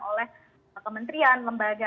oleh kementerian lembaga